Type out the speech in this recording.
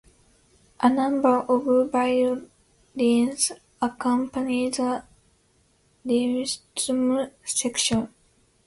A number of violins accompany the rhythm section.